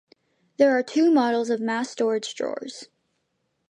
There are two models of mass storage drawers.